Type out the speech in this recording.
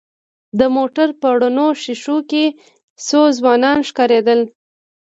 د موټر په رڼو ښېښو کې څو ځوانان ښکارېدل.